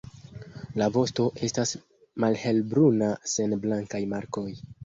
La vosto estas malhelbruna sen blankaj markoj.